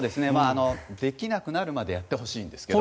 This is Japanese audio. できなくなるまでやってほしいんですけど。